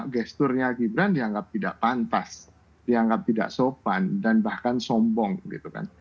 gesturnya gibran dianggap tidak pantas dianggap tidak sopan dan bahkan sombong gitu kan